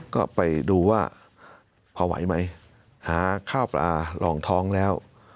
ก็ไปดูว่าพอไหวไหมหาข้าวปลาลองท้องแล้ว